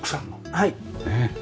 はい。